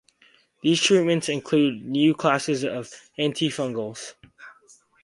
These treatments include new classes of antifungals.